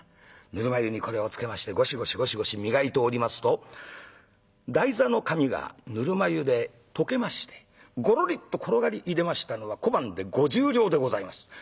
ぬるま湯にこれをつけましてゴシゴシゴシゴシ磨いておりますと台座の紙がぬるま湯で溶けましてゴロリっと転がりいでましたのは小判で５０両でございます。